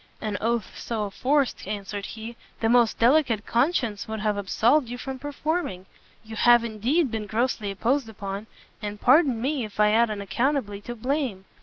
"An oath so forced," answered he, "the most delicate conscience would have absolved you from performing. You have, indeed, been grossly imposed upon, and pardon me if I add unaccountably to blame.